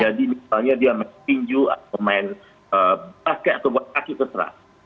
jadi misalnya dia main pinju atau main basket atau buat kaki pesera